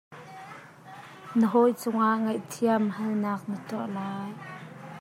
Na hawi cungah ngaihthiam halnak na tuah lai.